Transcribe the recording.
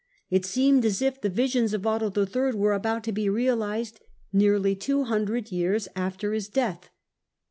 It seemed as if the visions of Otto III. were about to be realized nearly two hundred years after his death.